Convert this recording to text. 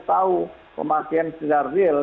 tahu pemakaian secara real